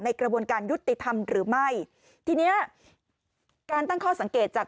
กระบวนการยุติธรรมหรือไม่ทีเนี้ยการตั้งข้อสังเกตจาก